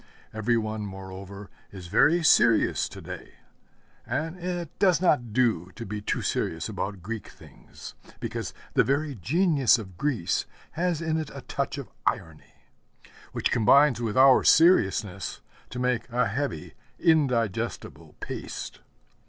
Every one, moreover, is very serious to day; and it does not do to be too serious about Greek things, because the very genius of Greece has in it a touch of irony, which combines with our seriousness to make a heavy, indigestible paste.